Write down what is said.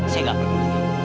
saya gak peduli